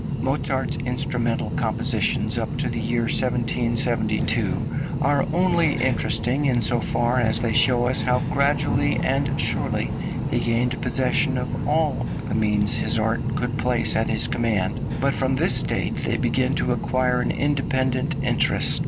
Mozart's instrumental compositions up to the year 1772 are only interesting in so far as they show us how gradually and surely he gained possession of all the means his art could place at his command; but from this date they begin to acquire an independent interest.